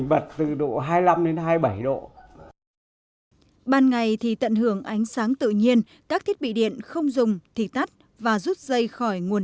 ban ngày thì tận hưởng ánh sáng tự nhiên các thiết bị điện không dùng thì tắt và rút dây khỏi nguồn